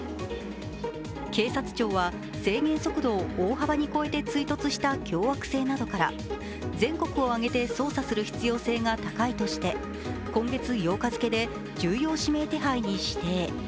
警察庁は制限速度を大幅に超えて追突した凶悪性などから、全国を挙げて捜査する必要性が高いとして今月８日付で重要指名手配に指定。